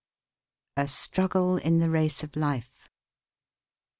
A STRUGGLE IN THE RACE OF LIFE.